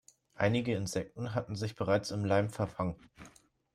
Einige Insekten hatten sich bereits im Leim verfangen.